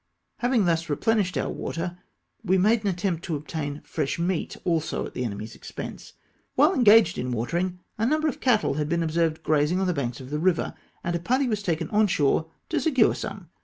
Having thus replenished our water, we made an attempt to obtain fresh meat also at the enemy's expense. Whilst engaged in watering, a number of cattle had been observed grazing on the banks of the river, and a party was taken on shore to secure some.